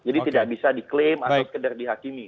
jadi tidak bisa diklaim atau sekedar dihakimi